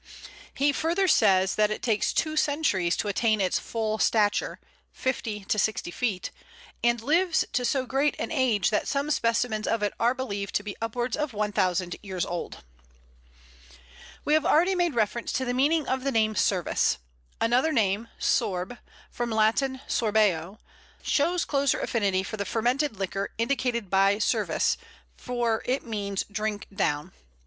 He further says that it takes two centuries to attain its full stature (fifty to sixty feet), "and lives to so great an age that some specimens of it are believed to be upwards of 1000 years old." We have already made reference to the meaning of the name Service. Another name Sorb (from Latin sorbeo) shows closer affinity for the fermented liquor indicated by Servise, for it means "drink down."